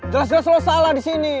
jelas jelas selalu salah di sini